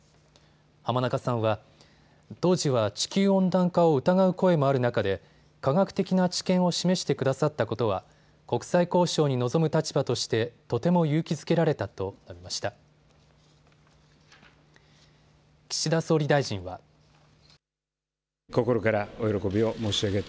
浜中さんは当時は地球温暖化を疑う声もある中で科学的な知見を示してくださったことは国際交渉に臨む立場としてとても勇気づけられたと述べました。